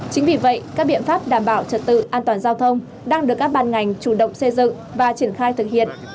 chính vì vậy các biện pháp đảm bảo trật tự an toàn giao thông đang được các ban ngành chủ động xây dựng và triển khai thực hiện